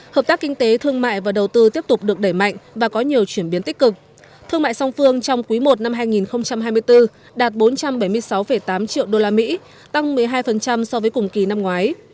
hợp tác kinh tế thương mại và đầu tư tiếp tục được đẩy mạnh và có nhiều chuyển biến tích cực thương mại song phương trong quý i năm hai nghìn hai mươi bốn đạt bốn trăm bảy mươi sáu tám triệu usd tăng một mươi hai so với cùng kỳ năm ngoái